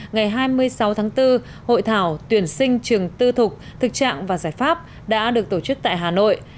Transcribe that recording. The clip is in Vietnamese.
ngày hai mươi sáu tháng bốn hội thảo tuyển sinh trường tư thục thực trạng và giải pháp đã được tổ chức tại hà nội